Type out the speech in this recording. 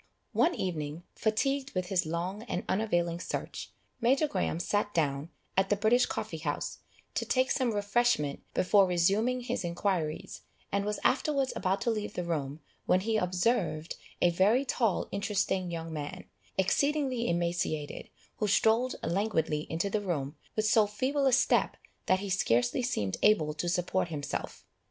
One evening, fatigued with his long and unavailing search, Major Graham sat down, at the British Coffee house, to take some refreshment before resuming his inquiries, and was afterwards about to leave the room, when he observed a very tall interesting young man, exceedingly emaciated, who strolled languidly into the room, with so feeble a step, that he scarcely seemed able to support himself.